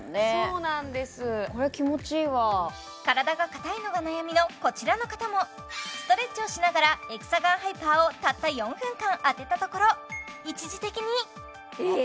これ気持ちいいわ体が硬いのが悩みのこちらの方もストレッチをしながらエクサガンハイパーをたった４分間当てたところ一時的にえ？